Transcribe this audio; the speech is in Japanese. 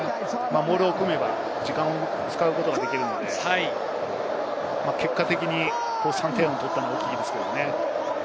モールを組めば、時間を使うことができるので、結果的に３点を取ったのは大きいんですけれどね。